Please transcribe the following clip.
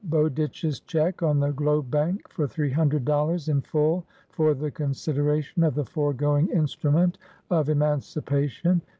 Bowditch's check on the Globe Bank for three hundred dollars, in full for the consideration of the foregoing instrument of emancipation.